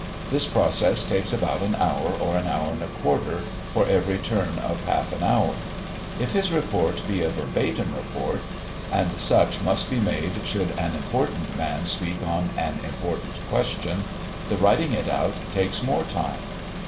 This process takes about an hour or an hour and a quarter for every turn of half an hour. If his report be a verbatim report and such must be made should an important man speak on an important question the writing it out takes more time.